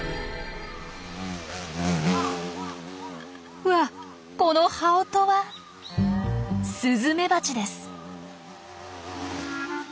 うわこの羽音はスズメバチです。